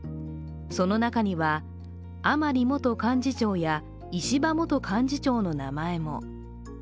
その中には、甘利元幹事長や石破元幹事長の名前も。